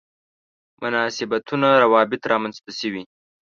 مناسبتونه روابط رامنځته شوي.